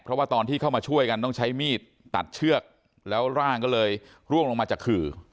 เพราะว่าตอนที่เข้ามาช่วยกันต้องใช้มีดตัดเชือกแล้วร่างก็เลยร่วงลงมาจากขื่อ